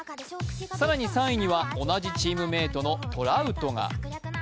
更に３位には同じチームメイトのトラウトが。